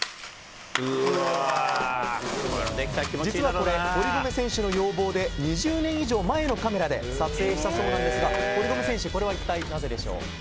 実はこれ、堀米選手の要望で２０年以上前のカメラで撮影したそうなんですが堀米選手、これは一体なぜですか。